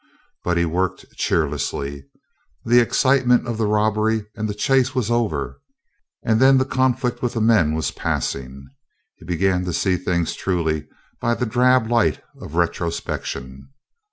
But he worked cheerlessly. The excitement of the robbery and the chase was over, and then the conflict with the men was passing. He began to see things truly by the drab light of retrospection.